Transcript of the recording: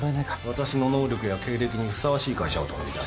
私の能力や経歴にふさわしい会社を頼みたい。